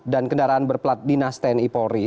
dan kendaraan berplat dinas tni polri